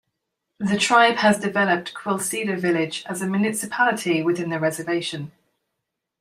The tribe has developed Quil Ceda Village as a municipality within the reservation.